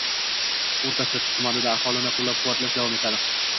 O‘rta Chirchiq tumanida aholini qo‘llab-quvvatlash davom etadi